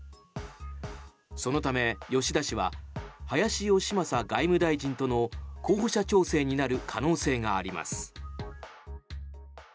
そのため、吉田氏は林芳正外務大臣との候補者調整になる可能性があります。